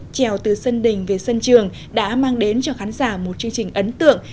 trèo từ sân đình về sân trường đã mang đến cho khán giả một chương trình ấn tượng